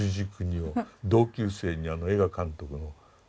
同級生には映画監督の。